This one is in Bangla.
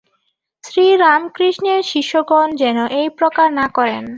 শ্রীরামকৃষ্ণের শিষ্যগণ যেন এই প্রকার না করেন।